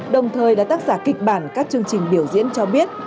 đồng thời là tác giả kịch bản các chương trình biểu diễn cho biết